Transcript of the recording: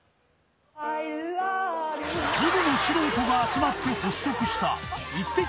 ズブの素人が集まって発足した『イッテＱ！』